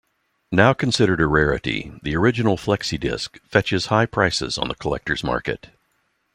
Now considered a rarity, the original flexi-disc fetches high prices on the collectors' market.